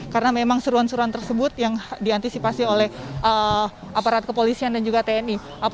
karena memang seruan seruan tersebut yang diantisipasi oleh aparat kepolisian dan juga tni